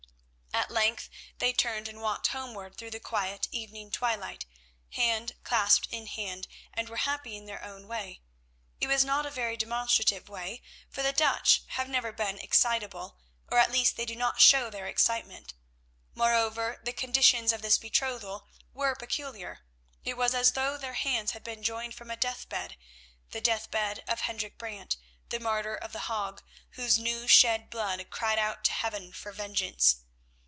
At length they turned and walked homeward through the quiet evening twilight, hand clasped in hand, and were happy in their way. It was not a very demonstrative way, for the Dutch have never been excitable, or at least they do not show their excitement. Moreover, the conditions of this betrothal were peculiar; it was as though their hands had been joined from a deathbed, the deathbed of Hendrik Brant, the martyr of The Hague, whose new shed blood cried out to Heaven for vengeance.